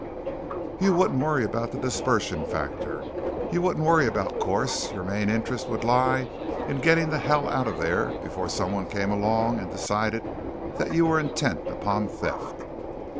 "You wouldn't worry about the dispersion factor. You wouldn't worry about course. Your main interest would lie in getting the hell out of there before someone came along and decided that you were intent upon theft."